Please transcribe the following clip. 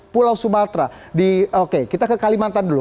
pulau sumatera oke kita ke kalimantan dulu